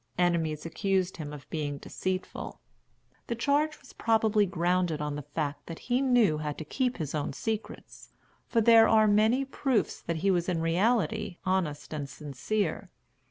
Enemies accused him of being deceitful. The charge was probably grounded on the fact that he knew how to keep his own secrets; for there are many proofs that he was in reality honest and sincere.